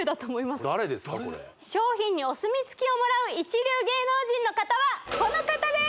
これ商品にお墨付きをもらう一流芸能人の方はこの方です！